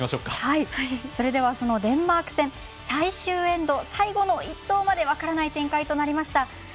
それでは、デンマーク戦最終エンド最後の１投まで分からない展開となりました。